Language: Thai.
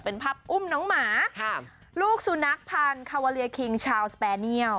เป็นภาพอุ้มน้องหมาลูกสุนัขพันธ์คาวาเลียคิงชาวสแตเนียล